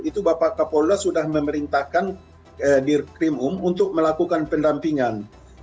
itu bapak kapolos sudah memerintahkan dir krimum untuk melakukan pendampingan